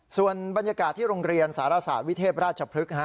ส่วนบรรยากาศที่โรงเรียนสารศาสตร์วิเทพราชพฤกษ์